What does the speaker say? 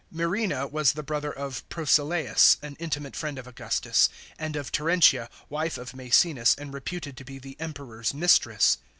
Murena was the brother of Proculeius,* an intimate friend of Augustus, and of Terentia, wife of Maecenas and reputed to be the Kmperor's mistress.